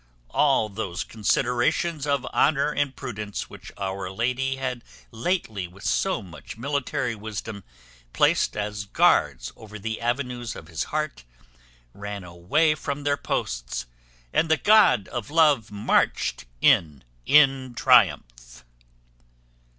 All those considerations of honour and prudence which our heroe had lately with so much military wisdom placed as guards over the avenues of his heart, ran away from their posts, and the god of love marched in, in triumph.